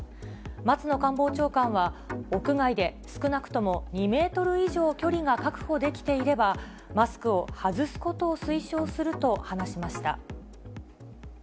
松野官房長官は、屋外で少なくとも２メートル以上距離が確保できていれば、マスクを外すことを推奨すると話しました。